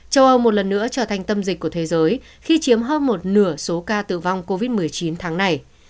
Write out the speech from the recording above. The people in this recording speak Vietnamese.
châu âu một lần nữa trở thành tâm dịch của thế giới khi chiếm hơn một nửa số ca tử vong covid một mươi chín tháng này